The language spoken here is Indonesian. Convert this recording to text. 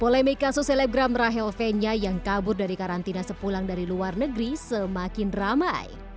polemik kasus selebgram rahel fenya yang kabur dari karantina sepulang dari luar negeri semakin ramai